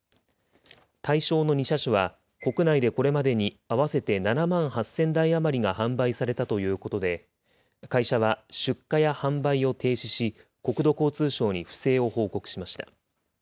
対象の２車種は、国内でこれまでに合わせて７万８０００台余りが販売されたということで、会社は出荷や販売を停止し、国土交通省に不正を報告しました。